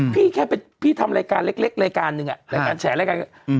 พี่ทำรายการเล็กรายการหนึ่งแฉะรายการ